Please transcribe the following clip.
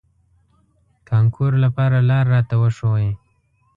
کانکور لپاره لار راته وښوئ.